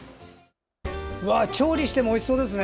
調理してもおいしそうですね。